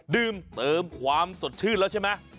ดื่มเติมความสดชื่นแล้วใช่ไหม